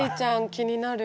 気になる。